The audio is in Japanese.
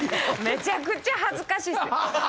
めちゃくちゃ恥ずかしいっすね。